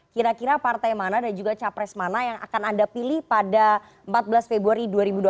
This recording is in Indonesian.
kira kira partai mana dan juga capres mana yang akan anda pilih pada empat belas februari dua ribu dua puluh